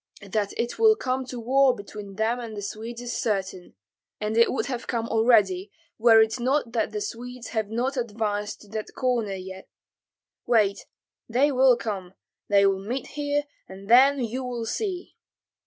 That it will come to war between them and the Swedes is certain, and it would have come already were it not that the Swedes have not advanced to that corner as yet. Wait, they will come, they will meet here, and then you will see!"